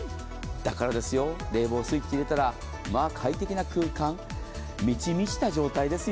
だからですよ、冷房のスイッチを入れたら、まぁ快適な空間、満ち満ちた状態ですよ。